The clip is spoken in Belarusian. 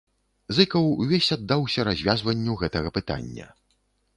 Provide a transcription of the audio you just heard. Зыкаў увесь аддаўся развязванню гэтага пытання.